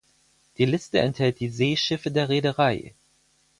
Die Liste enthält die Seeschiffe der Reederei.